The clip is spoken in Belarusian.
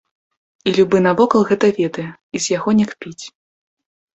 І любы навокал гэта ведае і з яго не кпіць.